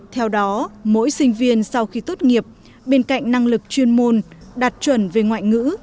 theo đó mỗi sinh viên sau khi tốt nghiệp bên cạnh năng lực chuyên môn đạt chuẩn về ngoại ngữ